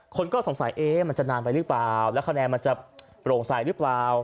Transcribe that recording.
คนก็สงสัยเอ๊ะมันจะนานไปหรือเปล่าแล้วคะแนนมันจะโปร่งใสหรือเปล่า